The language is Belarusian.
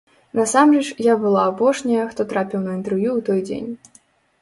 Насамрэч, я была апошняя, хто трапіў на інтэрв'ю ў той дзень.